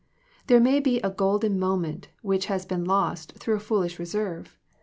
There may be a golden mo ment which has been lost through a foolish reserve.